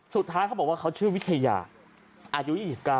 สุดท้ายเขาบอกว่าเขาชื่อวิทยาอายุ๒๙